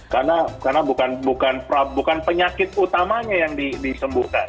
karena bukan penyakit utamanya yang disembuhkan